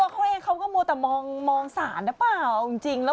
ไปกัดโดดไงเธอ